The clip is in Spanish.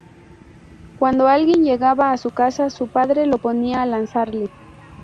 Cuando alguien llegaba a su casa su padre lo ponía a lanzarle.